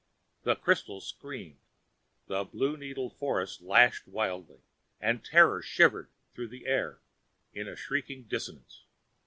The crystals screamed. The blue needle forest lashed wildly, and terror shivered through the air in shrieking dissonance.